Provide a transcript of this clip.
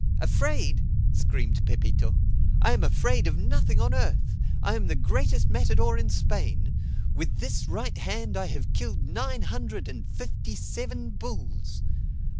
"Afraid!" screamed Pepito. "I am afraid of nothing on earth. I am the greatest matador in Spain. With this right hand I have killed nine hundred and fifty seven bulls."